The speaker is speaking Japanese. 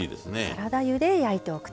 サラダ油で焼いておくと。